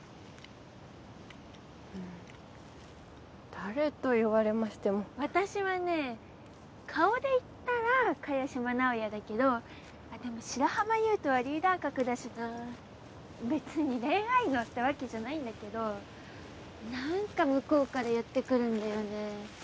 誰と言われましても私はね顔でいったら萱島直哉だけどあっでも白浜優斗はリーダー格だしなあべつに恋愛脳ってわけじゃないんだけど何か向こうから寄ってくるんだよね